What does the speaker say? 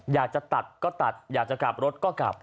อยากจะตัดก็ตัดอยากจะกลับรถก็กลับ